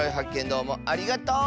どうもありがとう！